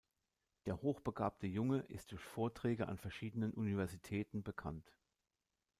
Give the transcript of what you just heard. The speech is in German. Der hochbegabte Junge ist durch Vorträge an verschiedenen Universitäten bekannt.